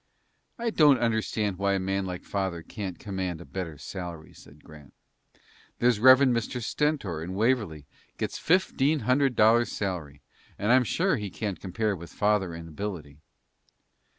"I can't understand why a man like father can't command a better salary," said Grant. "There's Rev. Mr. Stentor, in Waverley, gets fifteen hundred dollars salary, and I am sure he can't compare with father in ability."